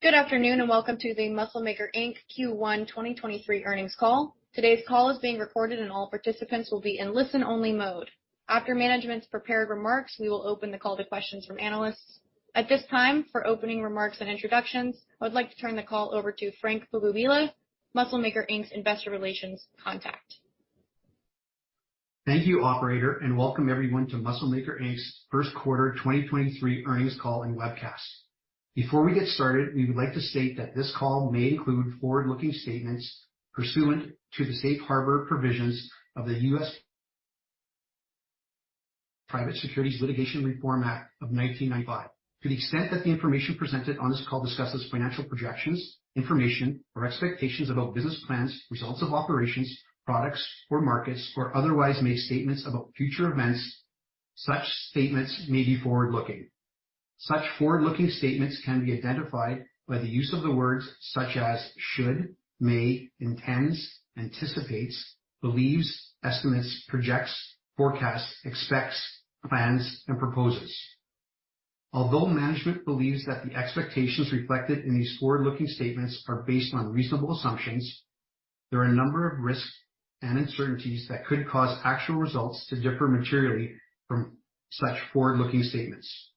Good afternoon, welcome to the Muscle Maker Inc. First Quarter 2023 Earnings Call. Today's call is being recorded and all participants will be in listen-only mode. After management's prepared remarks, we will open the call to questions from analysts. At this time, for opening remarks and introductions, I would like to turn the call over to Frank G. Pogubila, Muscle Maker Inc's Investor Relations contact. Thank you, operator, and welcome everyone to Muscle Maker Inc.'s first quarter 2023 earnings call and webcast. Before we get started, we would like to state that this call may include forward-looking statements pursuant to the Safe Harbor provisions of the U.S. Private Securities Litigation Reform Act of 1995. To the extent that the information presented on this call discusses financial projections, information, or expectations about business plans, results of operations, products or markets, or otherwise makes statements about future events, such statements may be forward-looking. Such forward-looking statements can be identified by the use of the words such as should, may, intends, anticipates, believes, estimates, projects, forecasts, expects, plans, and proposes. Although management believes that the expectations reflected in these forward-looking statements are based on reasonable assumptions, there are a number of risks and uncertainties that could cause actual results to differ materially from such forward-looking statements.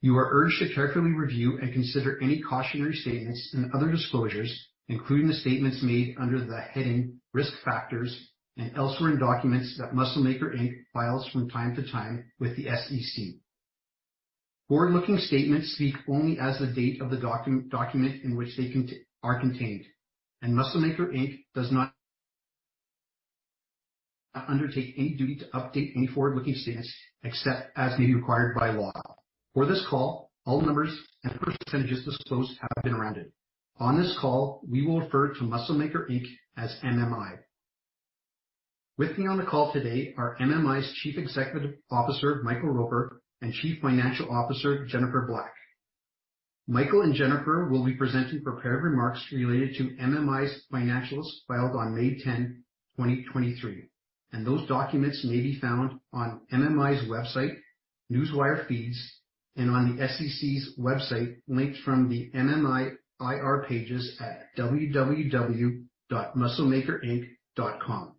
You are urged to carefully review and consider any cautionary statements and other disclosures, including the statements made under the heading Risk Factors and elsewhere in documents that Muscle Maker Inc. files from time to time with the SEC. Forward-looking statements speak only as of the date of the document in which they are contained, and Muscle Maker Inc. does not undertake any duty to update any forward-looking statements except as may be required by law. For this call, all numbers and percentages disclosed have been rounded. On this call, we will refer to Muscle Maker Inc. as MMI. With me on the call today are MMI's Chief Executive Officer, Michael Roper, and Chief Financial Officer, Jennifer Black. Michael and Jennifer will be presenting prepared remarks related to MMI's financials filed on May 10, 2023. Those documents may be found on MMI's website, Newswire feeds and on the SEC's website linked from the MMI IR pages at www.musclemakerinc.com.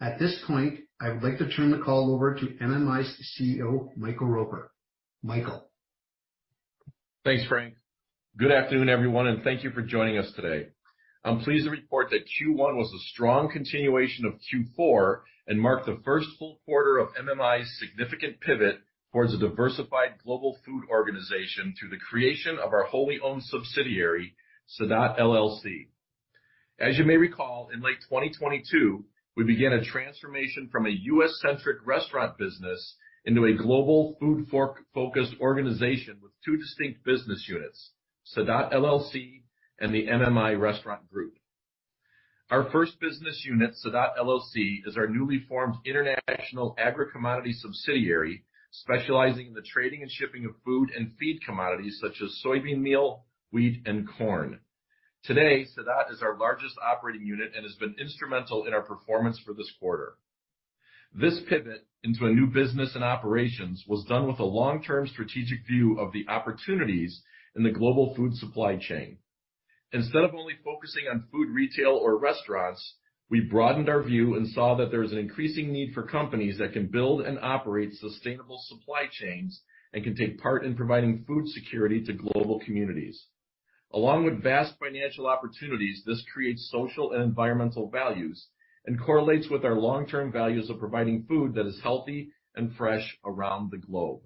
At this point, I would like to turn the call over to MMI's CEO, Michael Roper. Michael. Thanks, Frank. Good afternoon, everyone, and thank you for joining us today. I'm pleased to report that Q1 was a strong continuation of Q4 and marked the first full quarter of MMI's significant pivot towards a diversified global food organization through the creation of our wholly owned subsidiary, Sadot LLC. As you may recall, in late 2022, we began a transformation from a U.S.-centric restaurant business into a global food-fork focused organization with two distinct business units, Sadot LLC and the MMI Restaurant Group. Our first business unit, Sadot LLC, is our newly formed international agri-commodity subsidiary specializing in the trading and shipping of food and feed commodities such as soybean meal, wheat, and corn. Today, Sadot is our largest operating unit and has been instrumental in our performance for this quarter. This pivot into a new business and operations was done with a long-term strategic view of the opportunities in the global food supply chain. Instead of only focusing on food retail or restaurants, we broadened our view and saw that there is an increasing need for companies that can build and operate sustainable supply chains and can take part in providing food security to global communities. Along with vast financial opportunities, this creates social and environmental values and correlates with our long-term values of providing food that is healthy and fresh around the globe.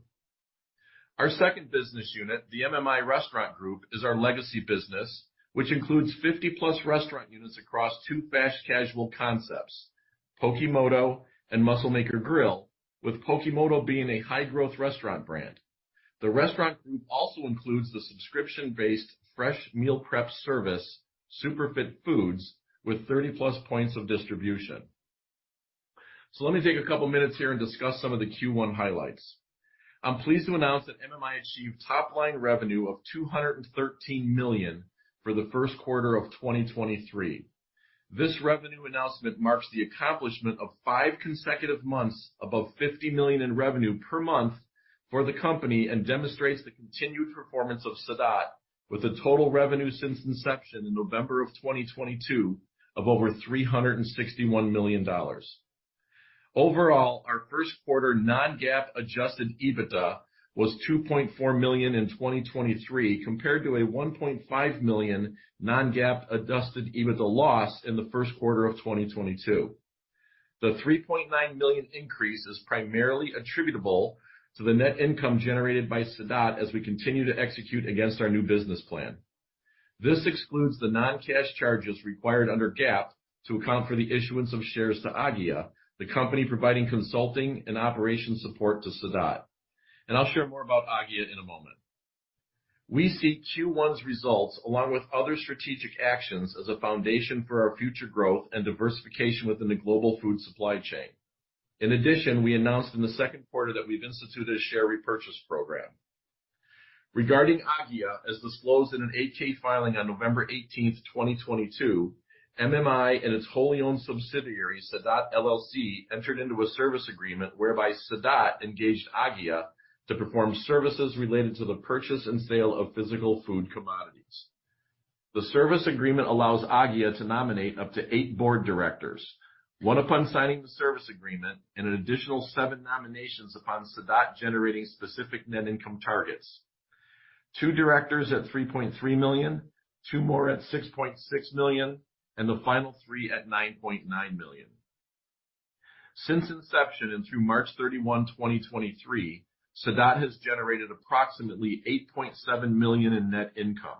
Our second business unit, the MMI Restaurant Group, is our legacy business, which includes 50-plus restaurant units across two fast casual concepts, Pokemoto and Muscle Maker Grill, with Pokemoto being a high-growth restaurant brand. The restaurant group also includes the subscription-based fresh meal prep service, Superfit Foods, with 30-plus points of distribution. Let me take a couple minutes here and discuss some of the Q1 highlights. I'm pleased to announce that MMI achieved top-line revenue of $213 million for the first quarter of 2023. This revenue announcement marks the accomplishment of five consecutive months above $50 million in revenue per month for the company and demonstrates the continued performance of Sadot with a total revenue since inception in November of 2022 of over $361 million. Overall, our first quarter non-GAAP adjusted EBITDA was $2.4 million in 2023 compared to a $1.5 million non-GAAP adjusted EBITDA loss in the first quarter of 2022. The $3.9 million increase is primarily attributable to the net income generated by Sadot as we continue to execute against our new business plan. This excludes the non-cash charges required under GAAP to account for the issuance of shares to Aggia, the company providing consulting and operation support to Sadot. I'll share more about Aggia in a moment. We see Q1's results along with other strategic actions as a foundation for our future growth and diversification within the global food supply chain. In addition, we announced in the second quarter that we've instituted a share repurchase program. Regarding Aggia, as disclosed in an 8-K filing on November 18, 2022, MMI and its wholly owned subsidiary, Sadot LLC, entered into a service agreement whereby Sadot engaged Aggia to perform services related to the purchase and sale of physical food commodities. The service agreement allows Aggia to nominate up to eight board directors, one upon signing the service agreement and an additional seven nominations upon Sadot generating specific net income targets. Two directors at $3.3 million, two more at $6.6 million, and the final three at $9.9 million. Since inception and through March 31, 2023, Sadot has generated approximately $8.7 million in net income.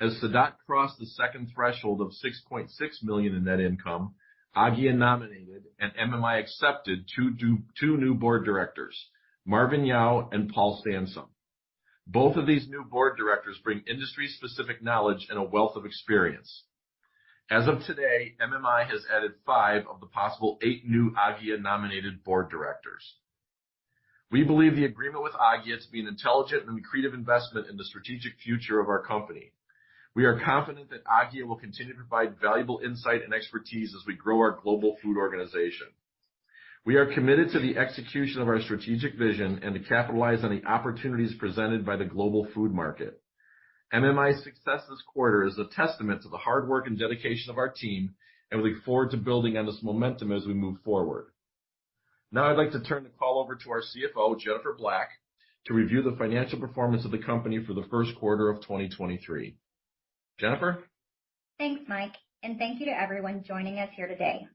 As Sadot crossed the second threshold of $6.6 million in net income, Aggia nominated, and MMI accepted two new board directors, Marvin Yeo and Paul Sansom. Both of these new board directors bring industry specific knowledge and a wealth of experience. As of today, MMI has added five of the possible eight new Aggia nominated board directors. We believe the agreement with Aggia to be an intelligent and creative investment in the strategic future of our company. We are confident that Aggia will continue to provide valuable insight and expertise as we grow our global food organization. We are committed to the execution of our strategic vision and to capitalize on the opportunities presented by the global food market. MMI's success this quarter is a testament to the hard work and dedication of our team, and we look forward to building on this momentum as we move forward. Now, I'd like to turn the call over to our CFO, Jennifer Black, to review the financial performance of the company for the first quarter of 2023. Jennifer? Thanks, Mike. Thank you to everyone joining us here today.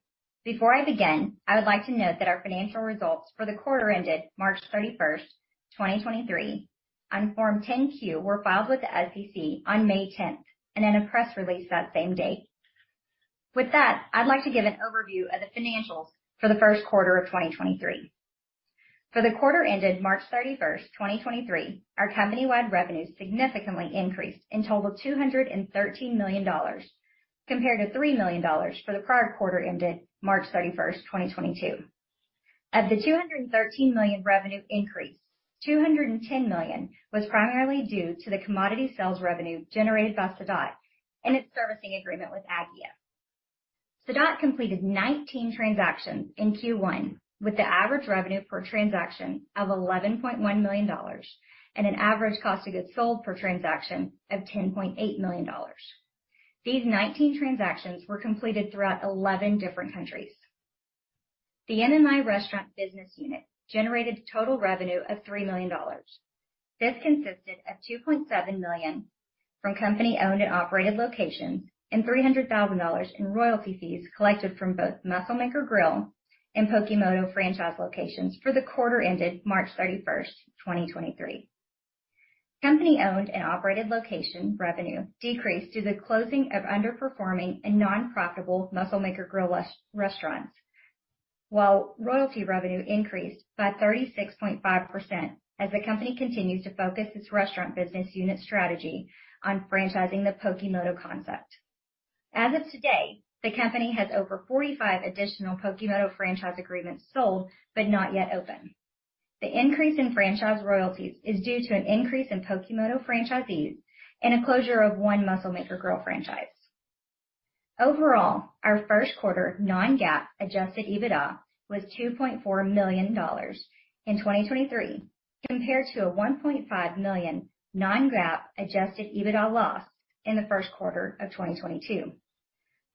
Before I begin, I would like to note that our financial results for the quarter ended March 31, 2023 on Form 10-Q were filed with the SEC on May 10 and in a press release that same day. With that, I'd like to give an overview of the financials for the first quarter of 2023. For the quarter ended March 31, 2023, our company-wide revenues significantly increased and totaled $213 million compared to $3 million for the prior quarter ended March 31, 2022. Of the $213 million revenue increase, $210 million was primarily due to the commodity sales revenue generated by Sadot and its servicing agreement with Aggia. Sadot completed 19 transactions in Q1 with the average revenue per transaction of $11.1 million and an average cost of goods sold per transaction of $10.8 million. These 19 transactions were completed throughout 11 different countries. The MMI restaurant business unit generated total revenue of $3 million. This consisted of $2.7 million from company-owned and operated locations, and $300,000 in royalty fees collected from both Muscle Maker Grill and Pokemoto franchise locations for the quarter ended March 31, 2023. Company-owned and operated location revenue decreased due to the closing of underperforming and non-profitable Muscle Maker Grill restaurants. While royalty revenue increased by 36.5% as the company continues to focus its restaurant business unit strategy on franchising the Pokemoto concept. As of today, the company has over 45 additional Pokemoto franchise agreements sold but not yet open. The increase in franchise royalties is due to an increase in Pokemoto franchisees and a closure of one Muscle Maker Grill franchise. Overall, our first quarter non-GAAP adjusted EBITDA was $2.4 million in 2023, compared to a $1.5 million non-GAAP adjusted EBITDA loss in the first quarter of 2022.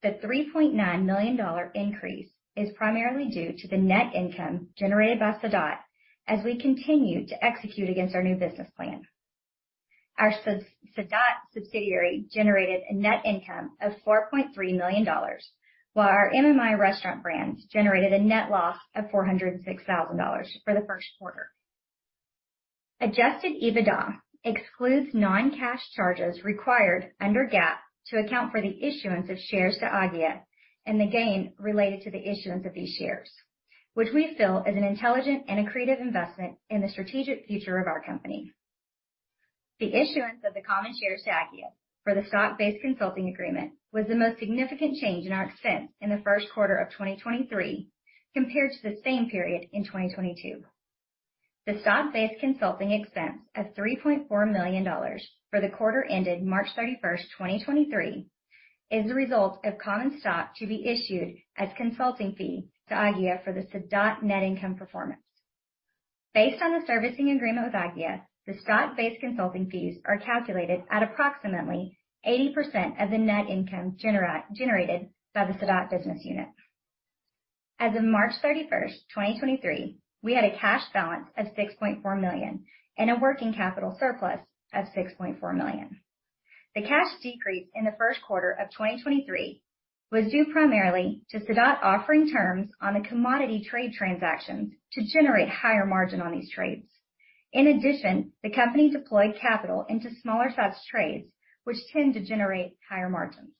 The $3.9 million increase is primarily due to the net income generated by Sadot as we continue to execute against our new business plan. Our Sadot subsidiary generated a net income of $4.3 million, while our MMI restaurant brands generated a net loss of $406,000 for the first quarter. Adjusted EBITDA excludes non-cash charges required under GAAP to account for the issuance of shares to Aggia and the gain related to the issuance of these shares, which we feel is an intelligent and accretive investment in the strategic future of our company. The issuance of the common shares to Aggia for the stock-based consulting agreement was the most significant change in our expense in the first quarter of 2023 compared to the same period in 2022. The stock-based consulting expense of $3.4 million for the quarter ended March 31st, 2023, is the result of common stock to be issued as consulting fee to Aggia for the Sadot net income performance. Based on the servicing agreement with Aggia, the stock-based consulting fees are calculated at approximately 80% of the net income generated by the Sadot business unit. As of March 31, 2023, we had a cash balance of $6.4 million and a working capital surplus of $6.4 million. The cash decrease in the first quarter of 2023 was due primarily to Sadot offering terms on the commodity trade transactions to generate higher margin on these trades. In addition, the company deployed capital into smaller such trades which tend to generate higher margins.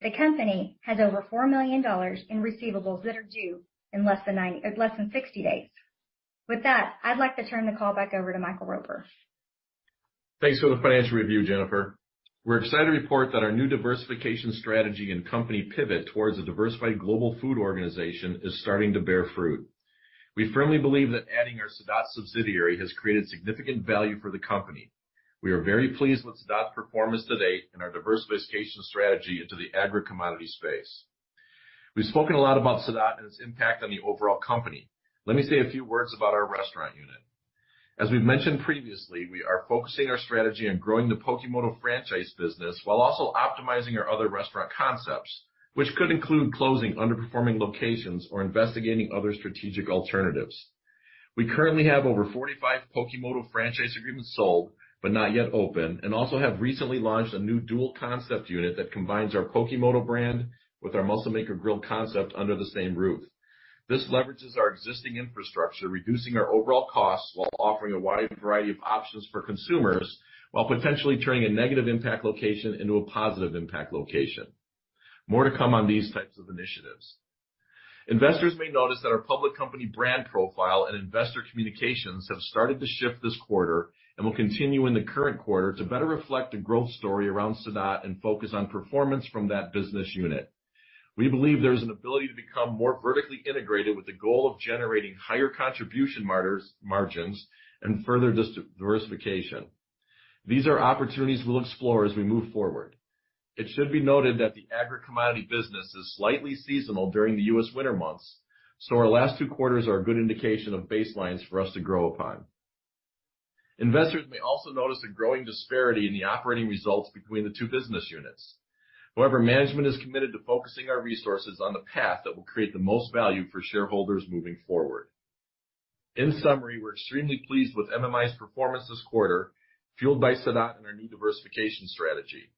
The company has over $4 million in receivables that are due in less than 60 days. With that, I'd like to turn the call back over to Michael Roper. Thanks for the financial review, Jennifer. We're excited to report that our new diversification strategy and company pivot towards a diversified global food organization is starting to bear fruit. We firmly believe that adding our Sadot subsidiary has created significant value for the company. We are very pleased with Sadot's performance to date and our diversification strategy into the agri-commodity space. We've spoken a lot about Sadot and its impact on the overall company. Let me say a few words about our restaurant unit. As we've mentioned previously, we are focusing our strategy on growing the Pokemoto franchise business while also optimizing our other restaurant concepts, which could include closing underperforming locations or investigating other strategic alternatives. We currently have over 45 Pokemoto franchise agreements sold, but not yet open, and also have recently launched a new dual concept unit that combines our Pokemoto brand with our Muscle Maker Grill concept under the same roof. This leverages our existing infrastructure, reducing our overall costs while offering a wide variety of options for consumers while potentially turning a negative impact location into a positive impact location. More to come on these types of initiatives. Investors may notice that our public company brand profile and investor communications have started to shift this quarter and will continue in the current quarter to better reflect the growth story around Sadot and focus on performance from that business unit. We believe there is an ability to become more vertically integrated with the goal of generating higher contribution margins and further diversification. These are opportunities we'll explore as we move forward. It should be noted that the agri-commodity business is slightly seasonal during the U.S. winter months. Our last two quarters are a good indication of baselines for us to grow upon. Investors may also notice a growing disparity in the operating results between the two business units. Management is committed to focusing our resources on the path that will create the most value for shareholders moving forward. In summary, we're extremely pleased with MMI's performance this quarter, fueled by Sadot and our new diversification strategy.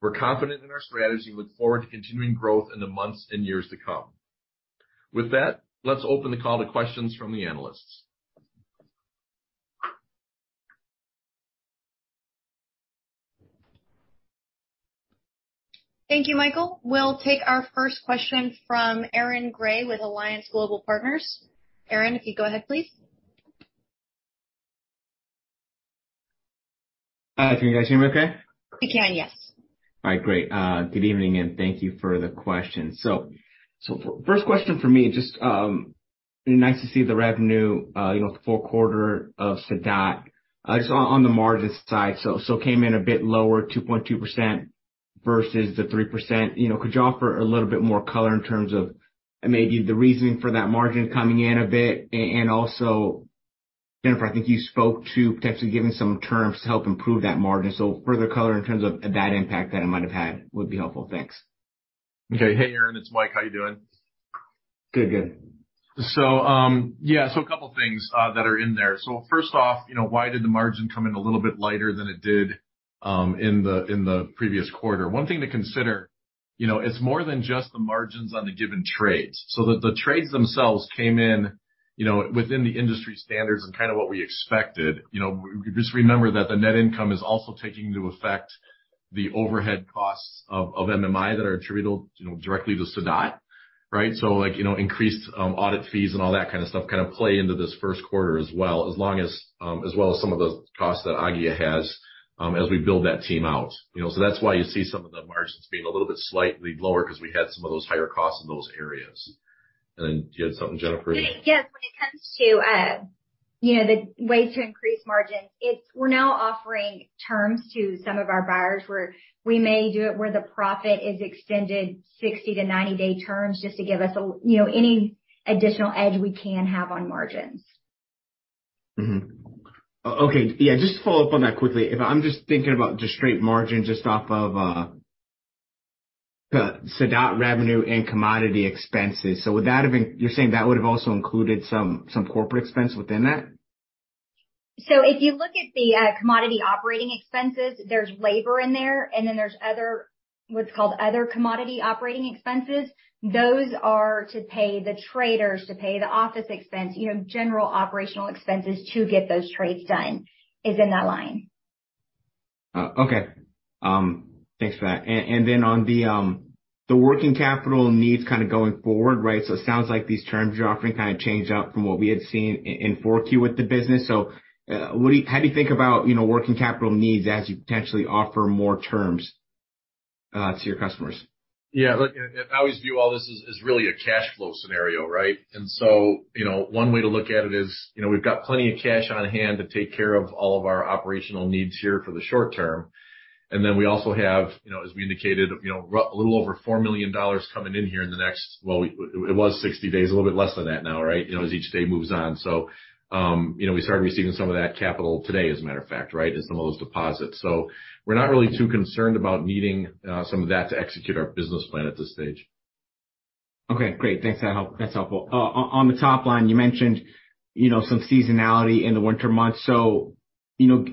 We're confident in our strategy and look forward to continuing growth in the months and years to come. Let's open the call to questions from the analysts. Thank you, Michael. We'll take our first question from Aaron Grey with Alliance Global Partners. Aaron, if you go ahead, please. Can you guys hear me okay? We can, yes. All right, great. Good evening, and thank you for the question. First question from me, just, you know, nice to see the revenue, the fourth quarter of Sadot. Just on the margins side, so came in a bit lower, 2.2% versus the 3%. You know, could you offer a little bit more color in terms of maybe the reasoning for that margin coming in a bit? And also, Jennifer, I think you spoke to potentially giving some terms to help improve that margin. Further color in terms of that impact that it might have had would be helpful. Thanks. Okay. Hey, Aaron, it's Mike. How you doing? Good, good. A couple of things that are in there. First off, why did the margin come in a little bit lighter than it did in the previous quarter? One thing to consider, it's more than just the margins on the given trades. The trades themselves came in within the industry standards and kind of what we expected. We just remember that the net income is also taking into effect the overhead costs of MMI that are attributable directly to Sadot, right? Increased audit fees and all that kind of stuff kind of play into this first quarter as well, as long as some of the costs that Aggia has as we build that team out. You know, that's why you see some of the margins being a little bit slightly lower because we had some of those higher costs in those areas. Then do you have something, Jennifer? Yes. When it comes to, you know, the way to increase margins, it's we're now offering terms to some of our buyers where we may do it, where the profit is extended 60- to 90-day terms just to give us you know, any additional edge we can have on margins. Okay, yeah, just to follow up on that quickly. If I'm just thinking about just straight margin, just off of the Sadot revenue and commodity expenses, would that have been you're saying that would have also included some corporate expense within that? If you look at the commodity operating expenses, there's labor in there, and then there's other, what's called Other Commodity Operating Expenses. Those are to pay the traders, to pay the office expense, you know, general operational expenses to get those trades done, is in that line. Okay. Thanks for that. Then on the working capital needs kind of going forward, right? It sounds like these terms you're offering kind of changed up from what we had seen in 4Q with the business. How do you think about, you know, working capital needs as you potentially offer more terms to your customers? Yeah, look, I always view all this as really a cash flow scenario, right? You know, one way to look at it is, you know, we've got plenty of cash on hand to take care of all of our operational needs here for the short term. We also have, you know, as we indicated, you know, a little over $4 million coming in here in the next. It was 60 days, a little bit less than that now, right? You know, as each day moves on. You know, we started receiving some of that capital today, as a matter of fact, right, as some of those deposits. We're not really too concerned about needing some of that to execute our business plan at this stage. Okay, great. Thanks. That help. That's helpful. on the top line, you mentioned, you know, some seasonality in the winter months. you know,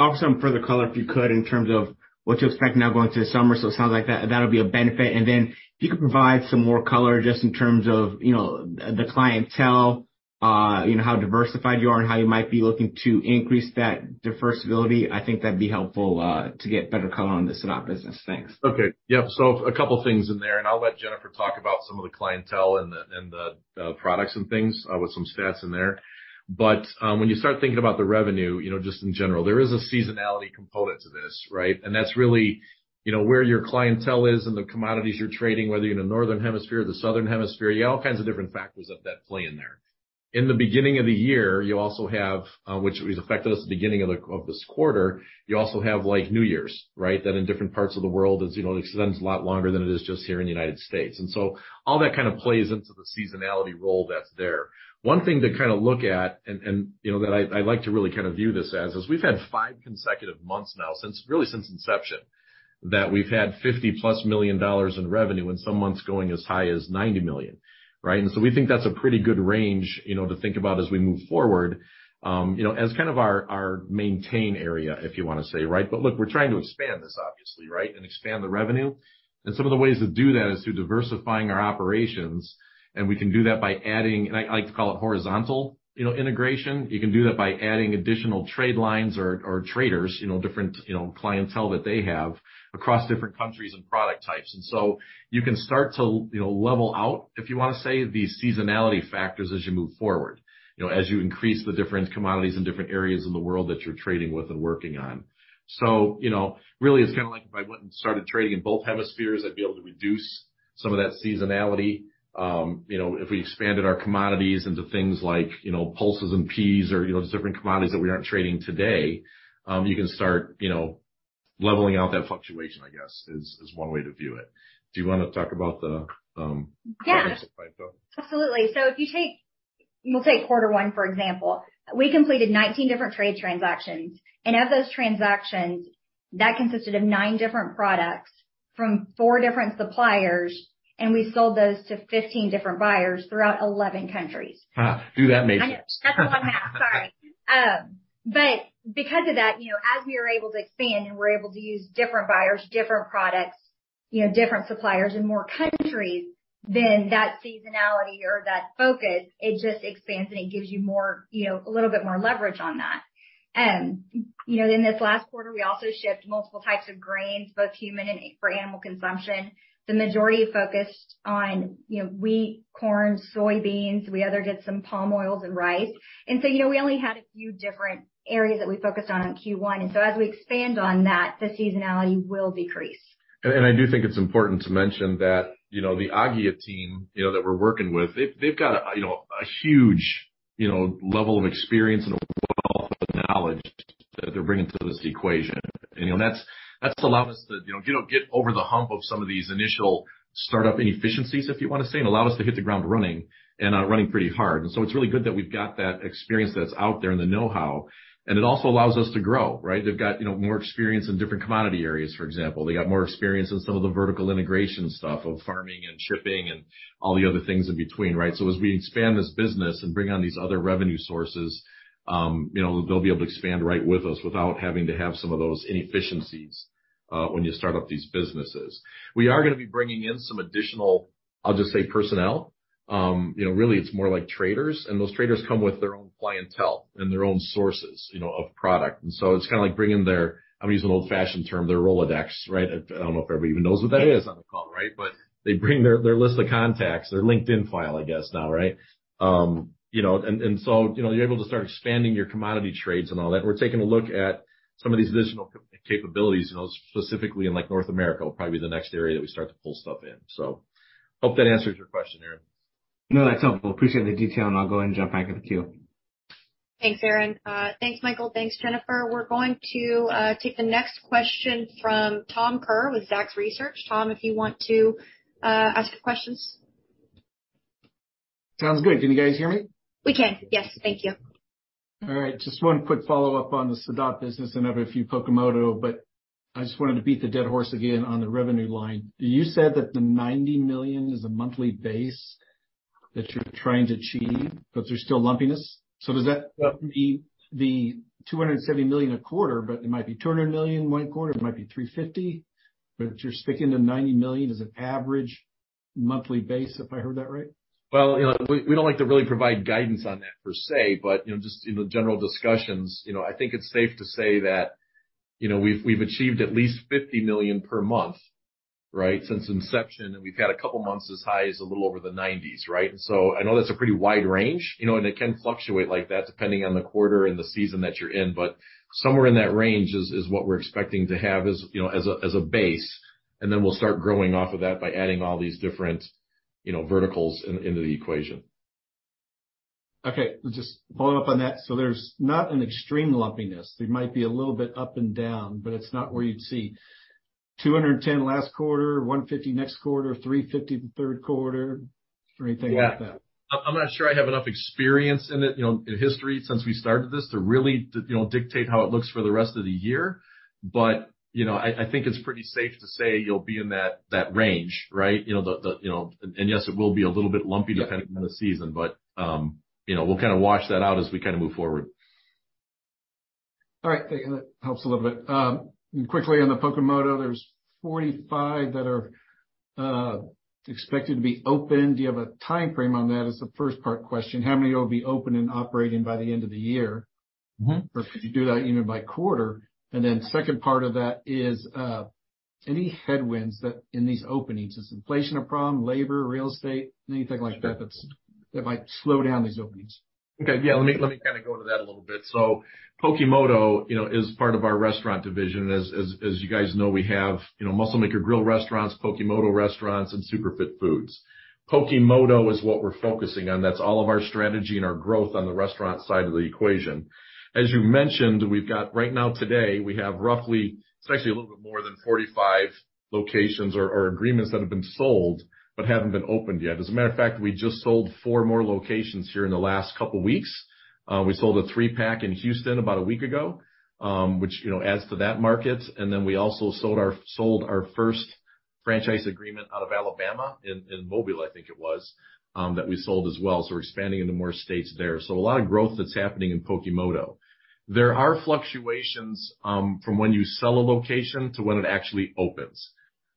offer some further color, if you could, in terms of what to expect now going to the summer. it sounds like that'll be a benefit. if you could provide some more color just in terms of, you know, the clientele, you know, how diversified you are and how you might be looking to increase that diversibility, I think that'd be helpful, to get better color on the Sadot business. Thanks. Okay. Yep. A couple of things in there, and I'll let Jennifer talk about some of the clientele and the products and things with some stats in there. When you start thinking about the revenue, you know, just in general, there is a seasonality component to this, right? That's really, you know, where your clientele is and the commodities you're trading, whether you're in the Northern Hemisphere or the Southern Hemisphere. You have all kinds of different factors that play in there. In the beginning of the year, you also have, which has affected us at the beginning of this quarter, you also have, like, New Year's, right? That in different parts of the world is, you know, extends a lot longer than it is just here in the United States. All that kind of plays into the seasonality role that's there. One thing to kind of look at and, you know, that I like to really kind of view this as, is we've had five consecutive months now, really since inception, that we've had +$50 million in revenue, and some months going as high as $90 million, right? We think that's a pretty good range, you know, to think about as we move forward, you know, as kind of our maintain area, if you want to say, right? Look, we're trying to expand this obviously, right, and expand the revenue. Some of the ways to do that is through diversifying our operations, and we can do that by adding. I like to call it horizontal, you know, integration. You can do that by adding additional trade lines or traders, you know, different, you know, clientele that they have across different countries and product types. You can start to, you know, level out, if you want to say, the seasonality factors as you move forward. You know, as you increase the different commodities in different areas in the world that you're trading with and working on. You know, really, it's kind of like if I went and started trading in both hemispheres, I'd be able to reduce some of that seasonality. You know, if we expanded our commodities into things like, you know, pulses and peas or, you know, just different commodities that we aren't trading today, you can start, you know, leveling out that fluctuation, I guess, is one way to view it. Do you want to talk about the components of that, though? Yeah. Absolutely. We'll take quarter one, for example. We completed 19 different trade transactions, and of those transactions, that consisted of nine different products from four different suppliers, and we sold those to 15 different buyers throughout 11 countries. Do that matrix. I know. That's a lot, sorry. Because of that, you know, as we are able to expand, and we're able to use different buyers, different products, you know, different suppliers in more countries, then that seasonality or that focus, it just expands, and it gives you more, you know, a little bit more leverage on that. You know, in this last quarter, we also shipped multiple types of grains, both human and for animal consumption. The majority focused on, you know, wheat, corn, soybeans. We other did some palm oil and rice. You know, we only had a few different areas that we focused on in Q1. As we expand on that, the seasonality will decrease. I do think it's important to mention that, you know, the Aggia team, you know, that we're working with, they've got a, you know, a huge, you know, level of experience and a wealth of knowledge that they're bringing to this equation. You know, that's allowed us to, you know, you know, get over the hump of some of these initial startup inefficiencies, if you want to say, and allowed us to hit the ground running and are running pretty hard. It's really good that we've got that experience that's out there and the know-how, and it also allows us to grow, right? They've got, you know, more experience in different commodity areas, for example. They got more experience in some of the vertical integration stuff of farming and shipping and all the other things in between, right? As we expand this business and bring on these other revenue sources, you know, they'll be able to expand right with us without having to have some of those inefficiencies when you start up these businesses. We are going to be bringing in some additional, I'll just say, personnel. You know, really it's more like traders, and those traders come with their own clientele and their own sources, you know, of product. It's kind of like bringing their, I'm going to use an old-fashioned term, their Rolodex, right? I don't know if everybody even knows what that is on the call, right? They bring their list of contacts, their LinkedIn file, I guess, now, right? You know, and so, you know, you're able to start expanding your commodity trades and all that. We're taking a look at some of these additional capabilities, you know, specifically in like North America, will probably be the next area that we start to pull stuff in. Hope that answers your question, Aaron. No, that's helpful. Appreciate the detail, and I'll go ahead and jump back of the queue. Thanks, Aaron. Thanks, Michael. Thanks, Jennifer. We're going to take the next question from Tom Kerr with Zacks Research. Tom, if you want to ask your questions. Sounds good. Can you guys hear me? We can. Yes. Thank you. All right. Just one quick follow-up on the Sadot business and have a few Pokemoto, but I just wanted to beat the dead horse again on the revenue line. You said that the $90 million is a monthly base that you're trying to achieve, but there's still lumpiness. Does that mean the $270 million a quarter, but it might be $200 million 1 quarter, it might be $350 million? You're speaking to $90 million as an average monthly base, if I heard that right? Well, you know, we don't like to really provide guidance on that per se, but, you know, just in the general discussions, you know, I think it's safe to say that, you know, we've achieved at least $50 million per month, right. Since inception, we've had a couple months as high as a little over the $90s, right. I know that's a pretty wide range, you know, and it can fluctuate like that depending on the quarter and the season that you're in. Somewhere in that range is what we're expecting to have as, you know, as a base, and then we'll start growing off of that by adding all these different, you know, verticals in, into the equation. Okay. Just following up on that. There's not an extreme lumpiness. There might be a little bit up and down, but it's not where you'd see $210 last quarter, $150 next quarter, $350 the third quarter or anything like that. Yeah. I'm not sure I have enough experience in it, you know, in history since we started this to really, you know, dictate how it looks for the rest of the year. You know, I think it's pretty safe to say you'll be in that range, right? You know, the, you know. Yes, it will be a little bit lumpy depending on the season, but, you know, we'll kind of watch that out as we kind of move forward. All right. That helps a little bit. Quickly on the Pokemoto, there's 45 that are expected to be opened. Do you have a timeframe on that? Is the first part question. How many will be open and operating by the end of the year? Mm-hmm. If you do that even by quarter. Second part of that is, Any headwinds that in these openings, is inflation a problem, labor, real estate? Anything like that that might slow down these openings. Okay. Yeah, let me kind of go into that a little bit. Pokemoto, you know, is part of our restaurant division. As you guys know, we have, you know, Muscle Maker Grill restaurants, Pokemoto restaurants, and Superfit Foods. Pokemoto is what we're focusing on. That's all of our strategy and our growth on the restaurant side of the equation. As you mentioned, we've got right now today, we have roughly it's actually a little bit more than 45 locations or agreements that have been sold but haven't been opened yet. As a matter of fact, we just sold four more locations here in the last couple weeks. We sold a three-pack in Houston about a week ago, which, you know, adds to that market. We also sold our first franchise agreement out of Alabama in Mobile, I think it was, that we sold as well. We're expanding into more states there. A lot of growth that's happening in Pokemoto. There are fluctuations from when you sell a location to when it actually opens,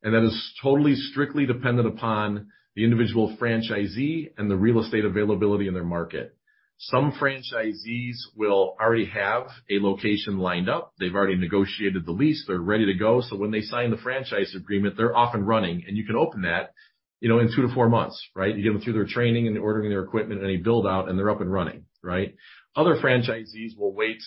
and that is totally strictly dependent upon the individual franchisee and the real estate availability in their market. Some franchisees will already have a location lined up. They've already negotiated the lease. They're ready to go. When they sign the franchise agreement, they're off and running, and you can open that, you know, in two months to four months, right? You get them through their training and they're ordering their equipment, any build out, and they're up and running, right? Other franchisees will wait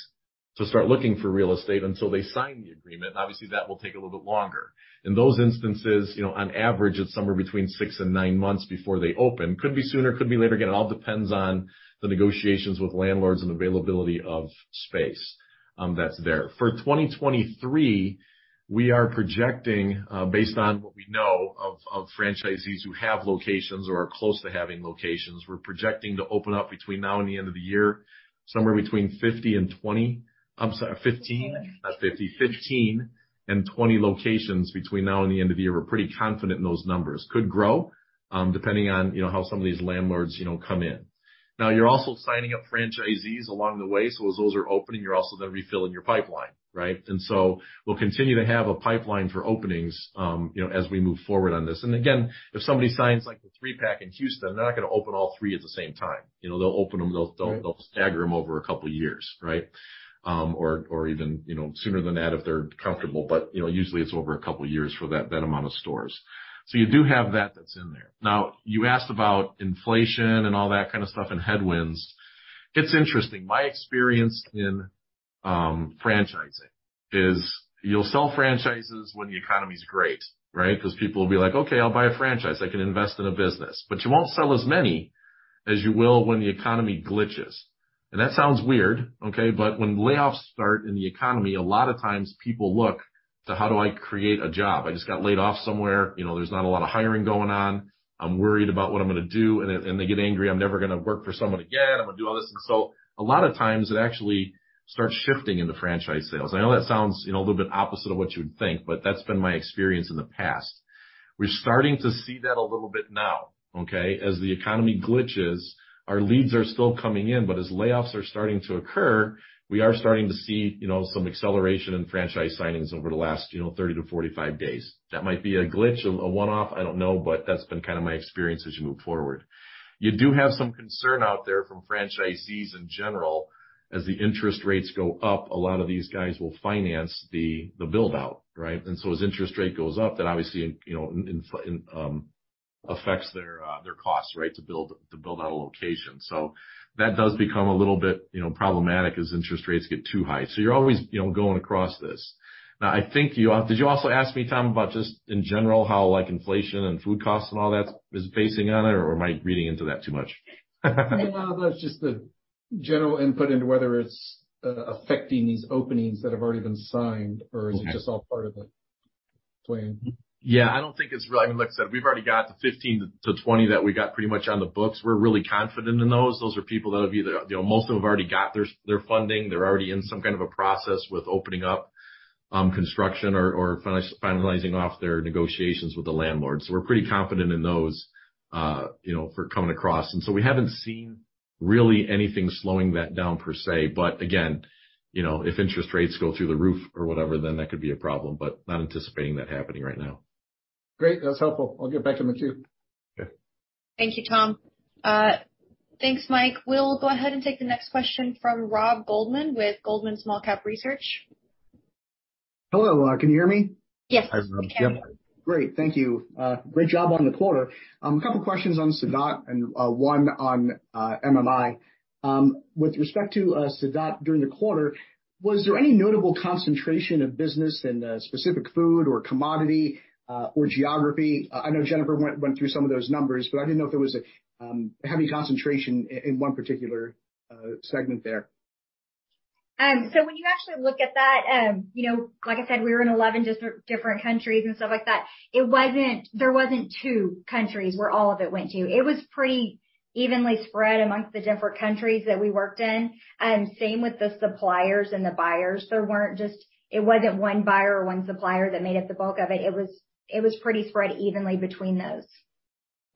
to start looking for real estate until they sign the agreement. Obviously, that will take a little bit longer. In those instances, you know, on average, it's somewhere between six months and nine months before they open. Could be sooner, could be later. Again, it all depends on the negotiations with landlords and availability of space that's there. For 2023, we are projecting, based on what we know of franchisees who have locations or are close to having locations, we're projecting to open up between now and the end of the year, I'm sorry, 15, not 50. 15 and 20 locations between now and the end of the year. We're pretty confident in those numbers. Could grow, depending on, you know, how some of these landlords, you know, come in. You're also signing up franchisees along the way. As those are opening, you're also then refilling your pipeline, right? We'll continue to have a pipeline for openings, you know, as we move forward on this. Again, if somebody signs like the three-pack in Houston, they're not going to open all three at the same time. You know, they'll open them, they'll stagger them over a couple of years, right? Or, or even, you know, sooner than that if they're comfortable. You know, usually it's over a couple of years for that amount of stores. You do have that that's in there. You asked about inflation and all that kind of stuff and headwinds. It's interesting. My experience in franchising is you'll sell franchises when the economy is great, right? Because people will be like, "Okay, I'll buy a franchise. I can invest in a business." You won't sell as many as you will when the economy glitches. That sounds weird, okay, but when layoffs start in the economy, a lot of times people look to how do I create a job? I just got laid off somewhere, you know, there's not a lot of hiring going on. I'm worried about what I'm going to do, and they get angry. I'm never going to work for someone again. I'm going to do all this. A lot of times it actually starts shifting in the franchise sales. I know that sounds, you know, a little bit opposite of what you would think, but that's been my experience in the past. We're starting to see that a little bit now, okay? As the economy glitches, our leads are still coming in, but as layoffs are starting to occur, we are starting to see, you know, some acceleration in franchise signings over the last, you know, 30 to 45 days. That might be a glitch, a one-off, I don't know, That's been kind of my experience as you move forward. You do have some concern out there from franchisees in general. As the interest rates go up, a lot of these guys will finance the build out, right? As interest rate goes up, that obviously you know, affects their costs, right, to build out a location. That does become a little bit, you know, problematic as interest rates get too high. You're always, you know, going across this. Now, I think did you also ask me, Tom, about just in general how, like, inflation and food costs and all that is basing on it, or am I reading into that too much? No, that's just the general input into whether it's affecting these openings that have already been signed. Okay. Is it just all part of the plan? Yeah, I don't think it's really. I mean, like I said, we've already got the 15-20 that we got pretty much on the books. We're really confident in those. Those are people that have either, you know, most of them have already got their funding. They're already in some kind of a process with opening up construction or finalizing off their negotiations with the landlord. We're pretty confident in those, you know, for coming across. We haven't seen really anything slowing that down per se. Again, you know, if interest rates go through the roof or whatever, then that could be a problem, but not anticipating that happening right now. Great. That's helpful. I'll get back in the queue. Okay. Thank you, Tom. Thanks, Mike. We'll go ahead and take the next question from Rob Goldman with Goldman Small Cap Research. Hello, can you hear me? Yes. Hi, Rob. Yep. Great. Thank you. Great job on the quarter. A couple of questions on Sadot and one on MMI. With respect to Sadot during the quarter, was there any notable concentration of business in a specific food or commodity or geography? I know Jennifer went through some of those numbers, but I didn't know if there was a heavy concentration in one particular segment there. When you actually look at that, you know, like I said, we were in 11 different countries and stuff like that. There wasn't two countries where all of it went to. It was pretty evenly spread amongst the different countries that we worked in. Same with the suppliers and the buyers. It wasn't one buyer or one supplier that made up the bulk of it. It was pretty spread evenly between those.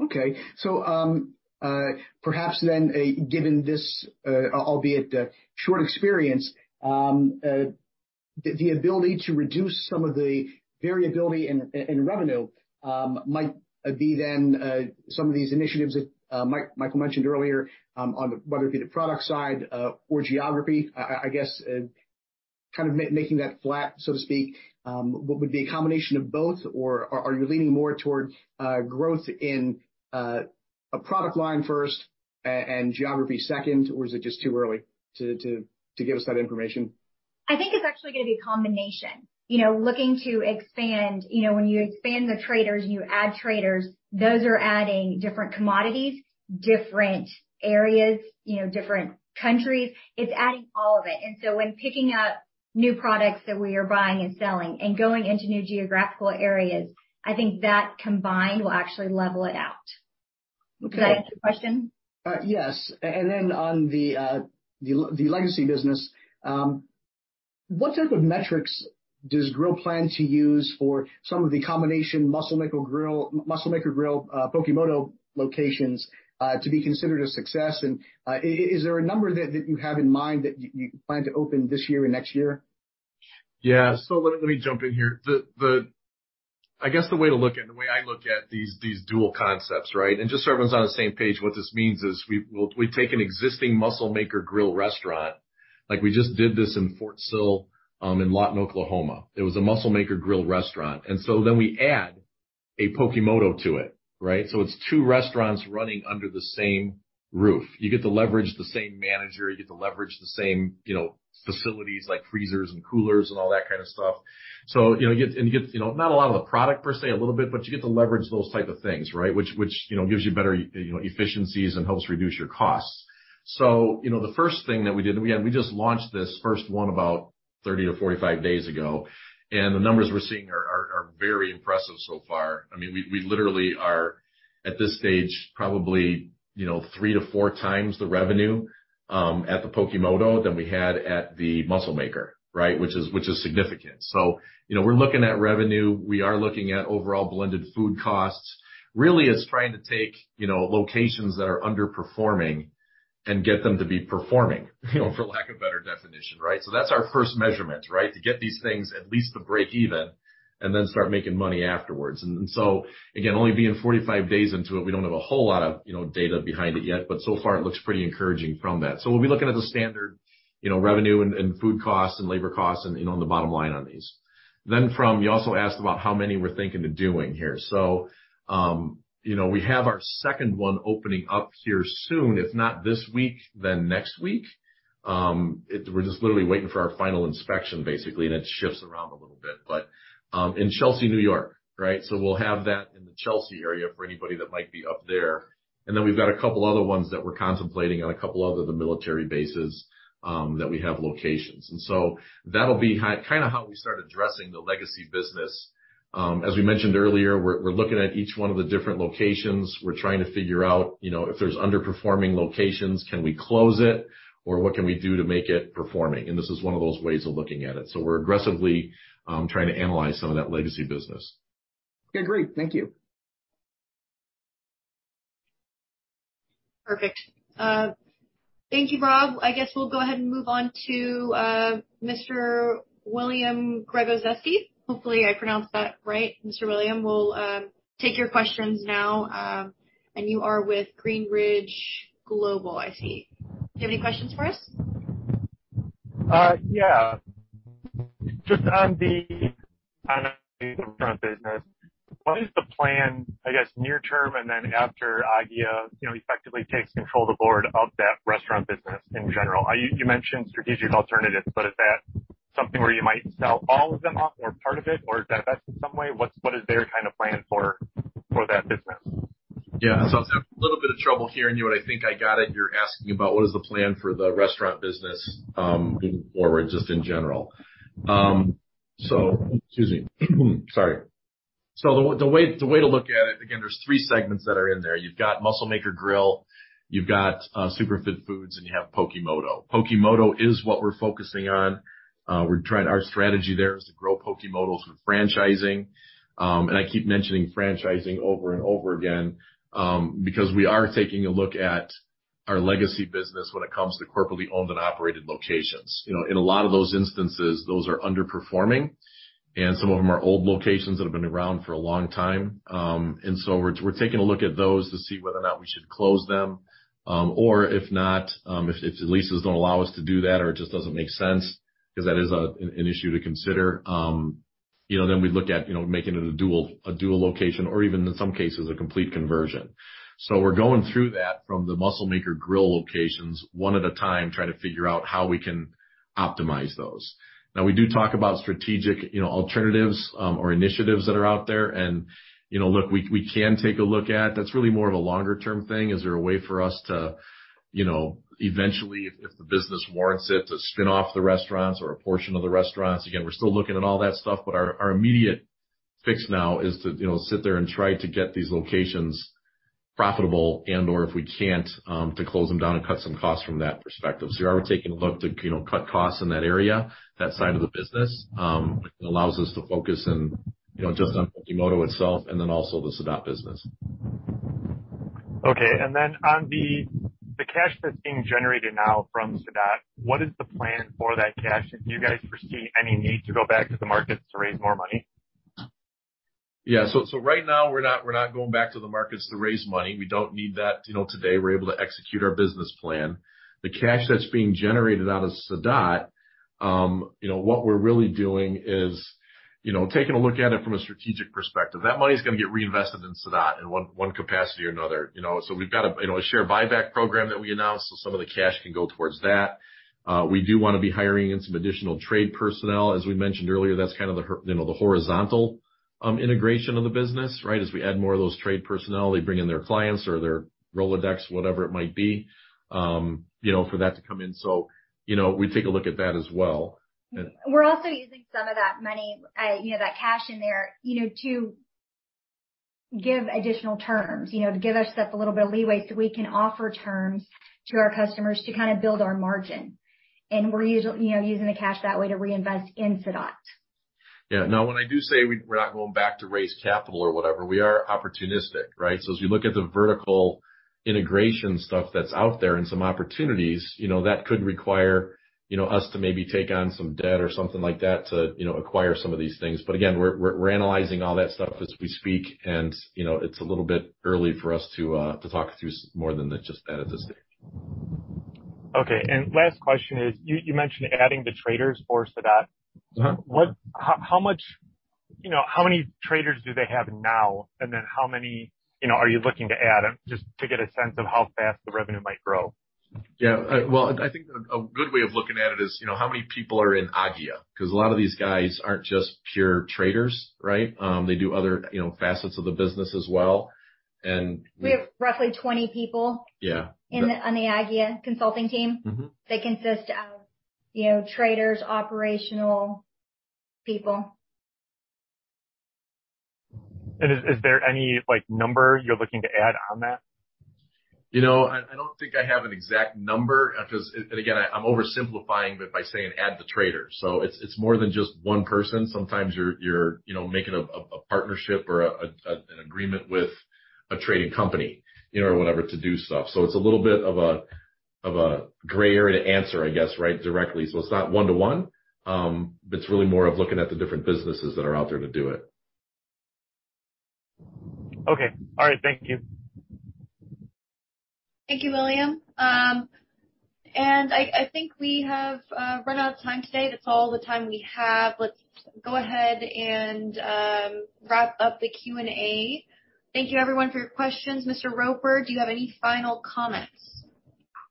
Okay. Perhaps then, given this, albeit short experience, the ability to reduce some of the variability in revenue, might be then, some of these initiatives that Michael mentioned earlier, on whether it be the product side, or geography. I guess... Kind of making that flat, so to speak, what would be a combination of both or are you leaning more toward growth in a product line first and geography second, or is it just too early to give us that information? I think it's actually going to be a combination. You know, looking to expand, you know, when you expand the traders, you add traders, those are adding different commodities, different areas, you know, different countries. It's adding all of it. When picking up new products that we are buying and selling and going into new geographical areas, I think that combined will actually level it out. Okay. Does that answer your question? Yes. Then on the legacy business, what type of metrics does Grill plan to use for some of the combination Muscle Maker Grill, Pokemoto locations to be considered a success? Is there a number that you have in mind that you plan to open this year and next year? Yeah. Let me jump in here. I guess the way to look at, the way I look at these dual concepts, right? Just so everyone's on the same page, what this means is we take an existing Muscle Maker Grill restaurant, like we just did this in Fort Sill, in Lawton, Oklahoma. It was a Muscle Maker Grill restaurant. We add a Pokemoto to it, right? It's two restaurants running under the same roof. You get to leverage the same manager, you get to leverage the same, you know, facilities like freezers and coolers and all that kind of stuff. You know, you get, not a lot of the product per se, a little bit, but you get to leverage those type of things, right? Which, you know, gives you better, you know, efficiencies and helps reduce your costs. You know, the first thing that we did, and we just launched this first one about 30-45 days ago, and the numbers we're seeing are very impressive so far. I mean, we literally are, at this stage, probably, you know, 3x-4x the revenue at the Pokemoto than we had at the Muscle Maker, right? Which is significant. You know, we're looking at revenue. We are looking at overall blended food costs. Really, it's trying to take, you know, locations that are underperforming and get them to be performing, you know, for lack of better definition, right? That's our first measurement, right? To get these things at least to break even and then start making money afterwards. Again, only being 45 days into it, we don't have a whole lot of, you know, data behind it yet, but so far it looks pretty encouraging from that. We'll be looking at the standard, you know, revenue and food costs and labor costs and, you know, on the bottom line on these. You also asked about how many we're thinking to doing here. You know, we have our second one opening up here soon. If not this week, then next week. We're just literally waiting for our final inspection basically, and it shifts around a little bit, but in Chelsea, New York, right? We'll have that in the Chelsea area for anybody that might be up there. We've got a couple other ones that we're contemplating on a couple other of the military bases, that we have locations. That'll be kind of how we start addressing the legacy business. As we mentioned earlier, we're looking at each one of the different locations. We're trying to figure out, you know, if there's underperforming locations, can we close it or what can we do to make it performing? This is one of those ways of looking at it. We're aggressively trying to analyze some of that legacy business. Okay, great. Thank you. Perfect. Thank you, Rob. I guess we'll go ahead and move on to Mr. William Gregozewski. Hopefully, I pronounced that right. Mr. William, we'll take your questions now. You are with Greenridge Global, I see. Do you have any questions for us? Yeah. Just on the restaurant business, what is the plan, I guess, near term, and then after Aggia, you know, effectively takes control of the board of that restaurant business in general? You mentioned strategic alternatives, is that something where you might sell all of them off or part of it or divest in some way? What's their kind of plan for that business? Yeah. I was having a little bit of trouble hearing you, but I think I got it. You're asking about what is the plan for the restaurant business, moving forward just in general. Excuse me. Sorry. The way to look at it, again, there's three segments that are in there. You've got Muscle Maker Grill, you've got Superfit Foods, and you have Pokemoto. Pokemoto is what we're focusing on. Our strategy there is to grow Pokemoto through franchising. I keep mentioning franchising over and over again because we are taking a look at our legacy business when it comes to corporately owned and operated locations. You know, in a lot of those instances, those are underperforming, and some of them are old locations that have been around for a long time. We're taking a look at those to see whether or not we should close them. Or if not, if the leases don't allow us to do that or it just doesn't make sense because that is a, an issue to consider, you know, then we look at, you know, making it a dual location or even in some cases, a complete conversion. We're going through that from the Muscle Maker Grill locations one at a time, trying to figure out how we can optimize those. We do talk about strategic, you know, alternatives, or initiatives that are out there. You know, look, we can take a look at. That's really more of a longer-term thing. Is there a way for us to, you know, eventually, if the business warrants it, to spin off the restaurants or a portion of the restaurants? Again, we're still looking at all that stuff, but our immediate fix now is to, you know, sit there and try to get these locations profitable and/or if we can't, to close them down and cut some costs from that perspective. Yeah, we're taking a look to, you know, cut costs in that area, that side of the business, which allows us to focus in, you know, just on Pokemoto itself and then also the Sadot business. Okay. On the cash that's being generated now from Sadot, what is the plan for that cash? Do you guys foresee any need to go back to the market to raise more money? Yeah. Right now we're not going back to the markets to raise money. We don't need that. You know, today, we're able to execute our business plan. The cash that's being generated out of Sadot, you know, what we're really doing is, you know, taking a look at it from a strategic perspective. That money is going to get reinvested into Sadot in one capacity or another. We've got a, you know, a share buyback program that we announced, so some of the cash can go towards that. We do want to be hiring in some additional trade personnel. As we mentioned earlier, that's kind of the, you know, the horizontal integration of the business, right? As we add more of those trade personnel, they bring in their clients or their Rolodex, whatever it might be, you know, for that to come in. You know, we take a look at that as well. We're also using some of that money, you know, that cash in there, you know, to give additional terms, you know, to give ourselves a little bit of leeway so we can offer terms to our customers to kind of build our margin. We're you know, using the cash that way to reinvest in Sadot. Yeah. When I do say we're not going back to raise capital or whatever, we are opportunistic, right? As we look at the vertical integration stuff that's out there and some opportunities, you know, that could require, you know, us to maybe take on some debt or something like that to, you know, acquire some of these things. Again, we're analyzing all that stuff as we speak and, you know, it's a little bit early for us to talk through more than the just that at this stage. Okay. Last question is, you mentioned adding the traders for Sadot.How many traders do they have now? Then how many, you know, are you looking to add, just to get a sense of how fast the revenue might grow? Yeah. Well, I think a good way of looking at it is, you know, how many people are in Aggia, because a lot of these guys aren't just pure traders, right? They do other, you know, facets of the business as well. We have roughly 20 people- Yeah. on the Aggia consulting team. They consist of, you know, traders, operational people. Is there any, like, number you're looking to add on that? You know, I don't think I have an exact number, because. Again, I'm oversimplifying it by saying add the trader. It's more than just one person. Sometimes you're, you know, making a partnership or an agreement with a trading company, you know, or whatever to do stuff. It's a little bit of a, of a gray area to answer, I guess, right, directly. It's not one-to-one, but it's really more of looking at the different businesses that are out there to do it. Okay. All right. Thank you. Thank you, William. I think we have run out of time today. That's all the time we have. Let's go ahead and wrap up the Q&A. Thank you everyone for your questions. Mr. Roper, do you have any final comments?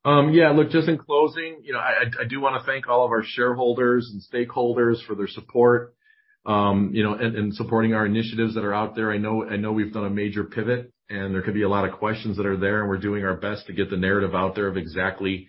Yeah. Look, just in closing, you know, I do want to thank all of our shareholders and stakeholders for their support. You know, and supporting our initiatives that are out there. I know we've done a major pivot, and there could be a lot of questions that are there, and we're doing our best to get the narrative out there of exactly,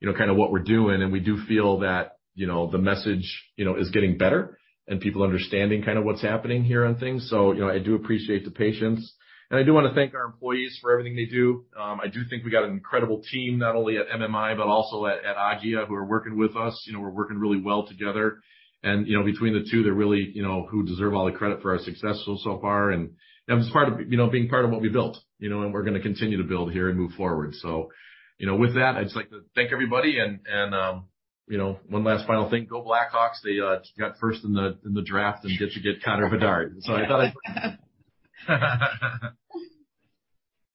you know, kind of what we're doing. We do feel that, you know, the message, you know, is getting better and people understanding kind of what's happening here on things. You know, I do appreciate the patience, and I do want to thank our employees for everything they do. I do think we got an incredible team, not only at MMI, but also at Aggia who are working with us. You know, we're working really well together. You know, between the two, they're really, you know, who deserve all the credit for our success so far, and that was you know, being part of what we built, you know. We're going to continue to build here and move forward. You know, with that, I'd just like to thank everybody and, you know, one last final thing, go Blackhawks. They got first in the, in the draft and get to get Connor Bedard.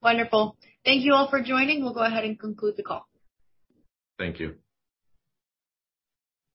Wonderful. Thank you all for joining. We'll go ahead and conclude the call. Thank you.